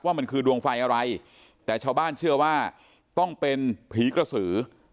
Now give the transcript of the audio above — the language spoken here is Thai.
ว่ามันคือดวงไฟอะไรแต่ชาวบ้านเชื่อว่าต้องเป็นผีกระสือ